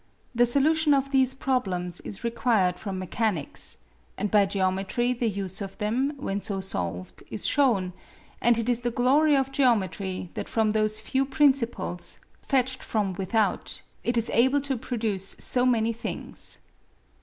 The solution of these problems is required from mechanics; and by geometry the use of them, when so solved, is shown; and it is the glory of geometry that from those few principles, fetched from without, it is able to produce so many things.